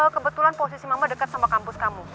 kebetulan posisi mama dekat sama kampus kamu